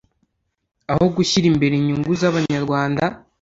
aho gushyira imbere inyungu z'Abanyarwanda